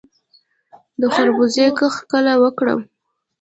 د خربوزو کښت کله وکړم؟